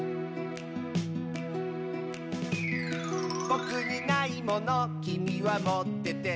「ぼくにないものきみはもってて」